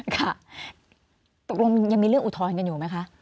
ค่ะตกลงยังมีเรื่องอุทธรณ์กันอยู่ไหมคะ